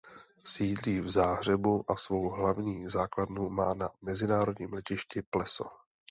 Sídlí v Záhřebu a svou hlavní základnu má na mezinárodním letišti Pleso.